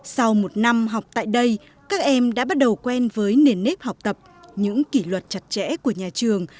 sau một năm học tại đây các em đã bắt đầu quen với nền nếp học tập những kỷ luật chặt chẽ của nhà trường